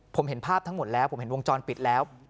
ผมเห็นภาพทั้งหมดแล้วผมเห็นวงจรปิดแล้ว